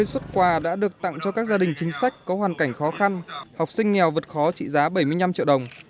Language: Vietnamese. năm mươi xuất quà đã được tặng cho các gia đình chính sách có hoàn cảnh khó khăn học sinh nghèo vượt khó trị giá bảy mươi năm triệu đồng